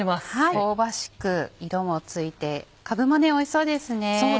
香ばしく色もついてかぶもおいしそうですね。